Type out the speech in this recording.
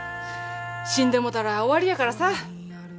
死んでもうたら終わりやからさ。